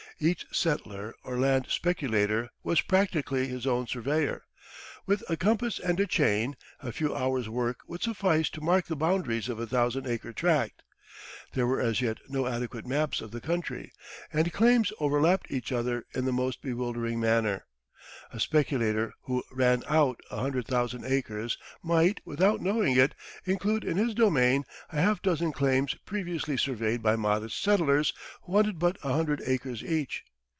Each settler or land speculator was practically his own surveyor. With a compass and a chain, a few hours' work would suffice to mark the boundaries of a thousand acre tract. There were as yet no adequate maps of the country, and claims overlapped each other in the most bewildering manner. A speculator who "ran out" a hundred thousand acres might, without knowing it, include in his domain a half dozen claims previously surveyed by modest settlers who wanted but a hundred acres each.